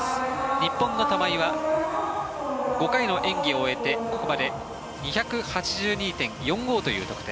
日本の玉井は５回の演技を終えてここまで２８２．４５という得点